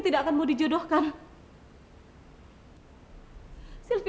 tidak ada yang bisa dikira